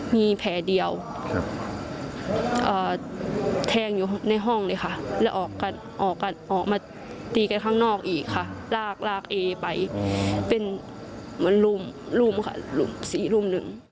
มีแผ่เดียวแทงอยู่ในห้องและรากเหล้าเป็นรุ่มค่ะ๑รุ่ม